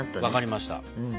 わかりました。